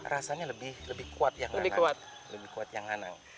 rasanya lebih kuat yang anang